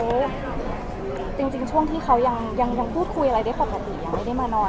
จริงช่วงที่เขายังพูดคุยอะไรได้ปกติยังไม่ได้มานอน